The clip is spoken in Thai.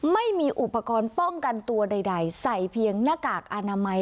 ไม่มีอุปกรณ์ป้องกันตัวใดใส่เพียงหน้ากากอนามัย